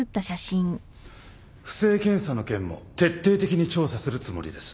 不正検査の件も徹底的に調査するつもりです。